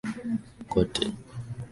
Kote la Haki za Kibinadamu na Makubaliano